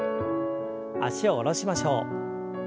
脚を下ろしましょう。